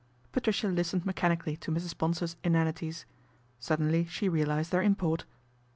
Patricia listened mechanically to Mrs. Bonsor's inanities. Suddenly she realised their import.